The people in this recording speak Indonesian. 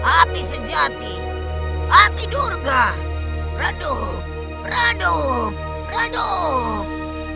api sejati api durga redup redup redup